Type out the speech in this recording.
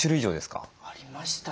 ありましたね。